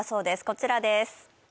こちらです